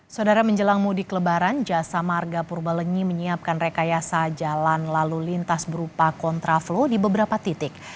saudara menjelang mudik lebaran jasa marga purbalenyi menyiapkan rekayasa jalan lalu lintas berupa kontraflow di beberapa titik